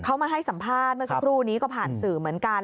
เขามาให้สัมภาษณ์เมื่อสักครู่นี้ก็ผ่านสื่อเหมือนกัน